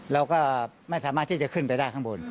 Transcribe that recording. เราก็ไม่สามารถที่จะขึ้นไปได้ข้างบน